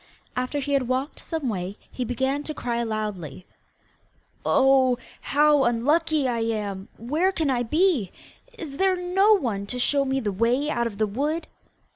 After he had walked some way he began to cry loudly: 'Oh, how unlucky I am! Where can I be? Is there no one to show me the way out of the wood?